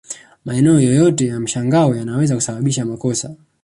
Maneno yoyote ya mshangao yanaweza kusababisha makosa